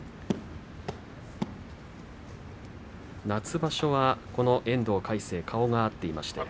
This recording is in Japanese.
夏場所はこの遠藤と魁聖顔が合っています。